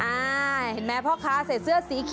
อ่ายยยเถอะพวกค้าใส่เสื้อสีเขียวสดแถม